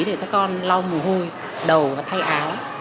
để cho các con lau mồ hôi đầu và thay áo